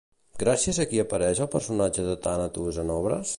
Gràcies a qui apareix el personatge de Tànatos en obres?